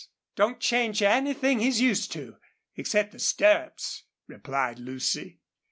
Don't change anything he's used to, except the stirrups," replied Lucy.